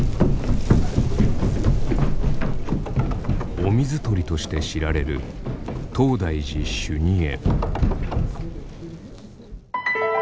お水取りとして知られる東大寺修二会。